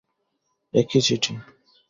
এ কী চিঠি।